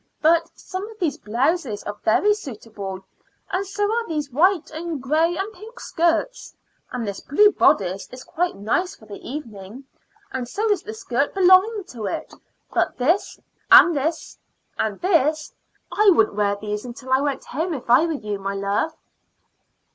"But some of these blouses are very suitable, and so are these white and gray and pink shirts. And this blue bodice is quite nice for the evening, and so is the skirt belonging to it; but this and this and this I wouldn't wear these until I went home if I were you, my love."